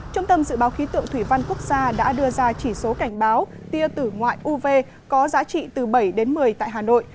trung tâm dự báo khí tượng thủy văn quốc gia đã đưa ra chỉ số cảnh báo tia tử ngoại uv có giá trị từ bảy đến một mươi tại hà nội